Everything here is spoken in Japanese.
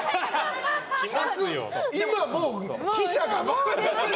今もう記者が。